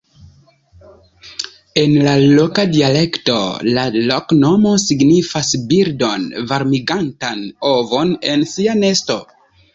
En la loka dialekto la loknomo signifas birdon varmigantan ovon en sia nesto.